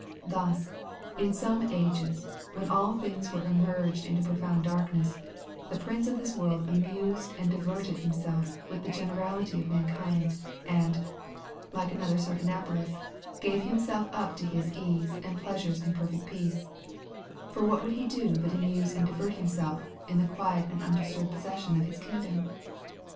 Thus, in some ages, when all things were immerged in profound darkness, the prince of this world amused and diverted himself with the generality of mankind, and, like another Sardanapalus, gave himself up to his ease and pleasures in perfect peace; for what would he do but amuse and divert himself, in the quiet and undisturbed possession of his kingdom?